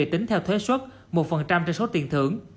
theo thuế suất một trên số tiền thưởng